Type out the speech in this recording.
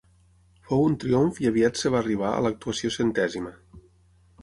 Fou un triomf i aviat es va arribar a l'actuació centèsima.